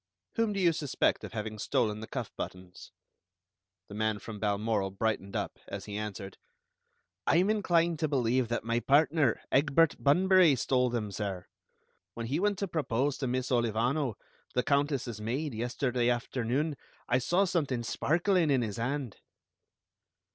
"Whom do you suspect of having stolen the cuff buttons?" The man from Balmoral brightened up, as he answered: "I am inclined to believe that my partner, Egbert Bunbury, stole them, sir. When he went to propose to Miss Olivano, the Countess's maid, yesterday afternoon, I saw something sparkling in his hand."